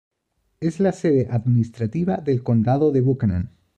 Es la sede administrativa del Condado de Buchanan.